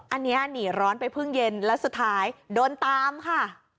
อันนี้หนีร้อนไปเพิ่งเย็นแล้วสุดท้ายโดนตามค่ะ